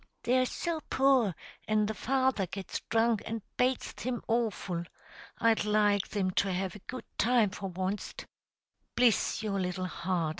They're so poor, an' the father gets drunk, an' bates thim awful. I'd like thim to have a good time for onst." "Bliss your little heart!"